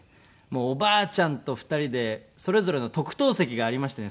おばあちゃんと２人でそれぞれの特等席がありましてね